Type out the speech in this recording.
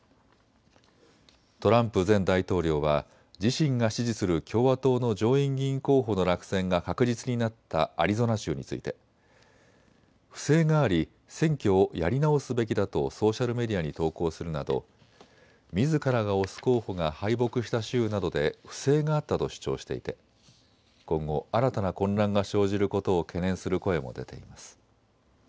トランプ前大統領は自身が支持する共和党の上院議員候補の落選が確実になったアリゾナ州について不正があり選挙をやり直すべきだとソーシャルメディアに投稿するなどみずからが推す候補が敗北した州などで不正があったと主張していて今後、新たな混乱が生じることを懸念する声も出ています。